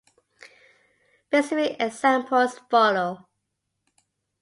Specific examples follow.